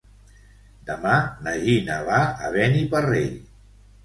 Demà na Gina va a Beniparrell.